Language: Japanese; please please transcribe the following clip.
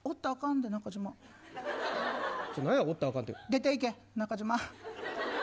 出ていけ、中島。